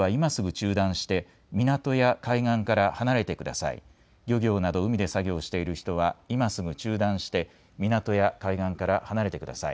海で作業をしている人は今すぐ中断して港や海岸から離れてください。